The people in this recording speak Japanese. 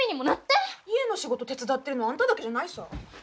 家の仕事手伝ってるのはあんただけじゃないさぁ。